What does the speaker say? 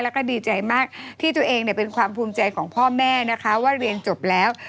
แล้วก็ดีใจมากที่ตัวเองเป็นความภูมิใจของพ่อแม่นะคะว่าเรียนจบแล้ว